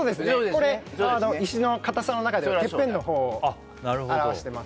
これ石の硬さの中ではてっぺんの方を表してます